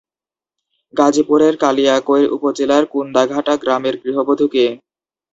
গাজীপুরের কালিয়াকৈর উপজেলার কুন্দাঘাটা গ্রামের গৃহবধূ কে?